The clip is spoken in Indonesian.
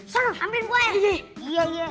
sampein gua ya